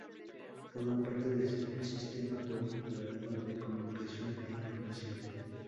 Forma parte del Sistema Bolivariano de Comunicación e Información.